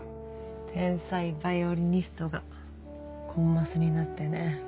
天才ヴァイオリニストがコンマスになってね。